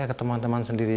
ya ke teman teman sendiri